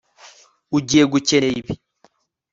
Ugiye gukenera ibi